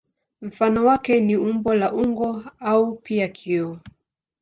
Mfano wake ni umbo la unga au pia kioo.